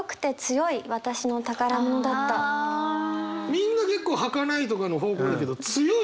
みんな結構「儚い」とかの方向だけど「強い」？